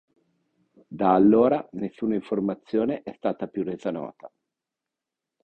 Da allora nessuna informazione è stata più resa nota.